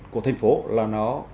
của thành phố là nó